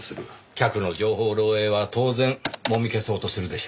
客の情報漏洩は当然もみ消そうとするでしょうね。